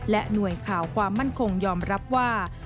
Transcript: หน่วยข่าวความมั่นคงยอมรับว่า